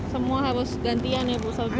semua harus gantian ya bu sofi